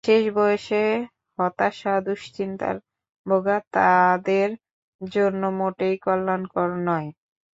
শেষ বয়সে হতাশা ও দুশ্চিন্তায় ভোগা তাঁদের জন্য মোটেই কল্যাণকর নয়।